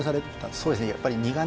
そうですね